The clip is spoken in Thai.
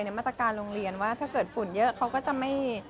มาตรการโรงเรียนว่าถ้าเกิดฝุ่นเยอะเขาก็จะไม่